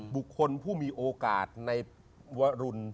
บุคคลผู้มีโอกาสในวรุณ